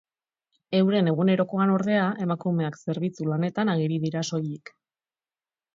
Euren egunerokoan, ordea, emakumeak zerbitzu lanetan ageri dira soilik.